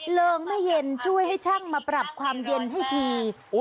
เลิงไม่เย็นช่วยให้ช่างมาปรับความเย็นให้ที